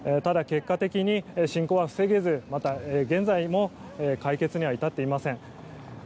ただ、結果的に侵攻は防げずまた、現在も解決には至っていません。